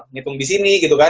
ngitung disini gitu kan